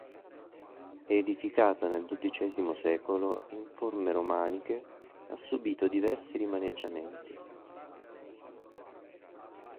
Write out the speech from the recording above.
Edificata nel dodicesimo secolo in forme romaniche ha subito diversi rimaneggiamenti.